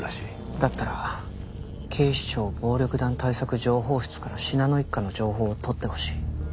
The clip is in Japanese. だったら警視庁暴力団対策情報室から信濃一家の情報を取ってほしい。